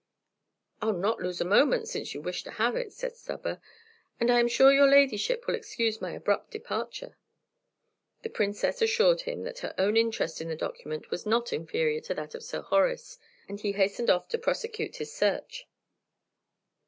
"I'll not lose a moment, since you wish to have it," said Stubber; "and I am sure your ladyship will excuse my abrupt departure." The Princess assured him that her own interest in the document was not inferior to that of Sir Horace, and he hastened off to prosecute his search.